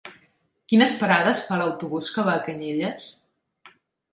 Quines parades fa l'autobús que va a Canyelles?